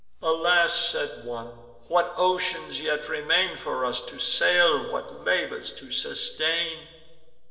"Alas!" said one, "what oceans yet remain For us to sail! what labours to sustain!"